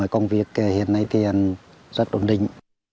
công việc hiện nay rất ổn định